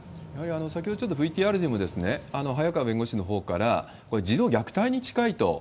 やはり先ほどちょっとＶＴＲにも、早川弁護士のほうから、これ、児童虐待に近いと。